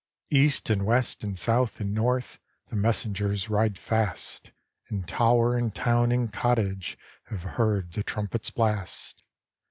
East and west and south and north The messengers ride fast, And tower and town and cottage Have heard the trumpet's blast.